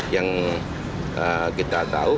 yang kita tahu